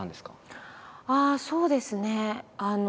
ああそうですね